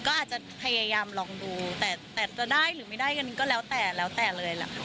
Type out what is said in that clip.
ก็อาจจะพยายามลองดูแต่จะได้หรือไม่ได้กันก็แล้วแต่แล้วแต่เลยแหละค่ะ